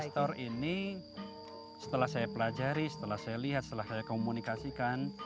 investor ini setelah saya pelajari setelah saya lihat setelah saya komunikasikan